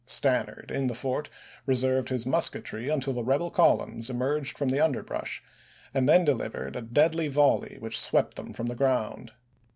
Stannard, in the fort, reserved his mus ketry until the rebel columns emerged from the underbrush, and then delivered a deadly volley which swept them from the ground.